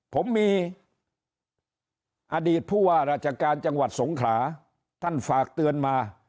ผมมีอดีตผู้ว่าราชการจังหวัดสงขลาท่านฝากเตือนมา